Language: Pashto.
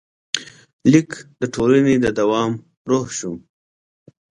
لیک د ټولنې د دوام روح شو.